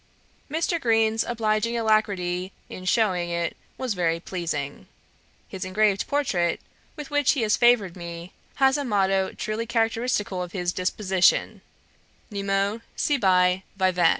Mr. Green's obliging alacrity in shewing it was very pleasing. His engraved portrait, with which he has favoured me, has a motto truely characteristical of his disposition, 'Nemo sibi vivat.'